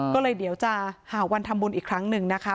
ก็เลยเดี๋ยวจะหาวันทำบุญอีกครั้งหนึ่งนะคะ